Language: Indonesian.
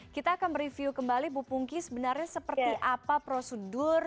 kita akan mereview kembali bu pungki sebenarnya seperti apa prosedur